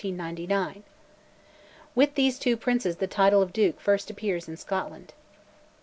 (With these two princes the title of Duke first appears in Scotland.)